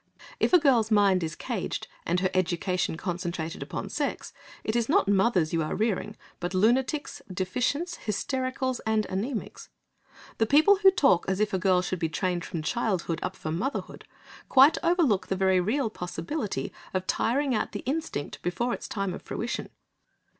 If a girl's mind is caged and her education concentrated upon sex, it is not mothers you are rearing, but lunatics, deficients, hystericals, and anæmics. The people who talk as if a girl should be trained from childhood up for motherhood, quite overlook the very real possibility of tiring out the instinct before its time of fruition.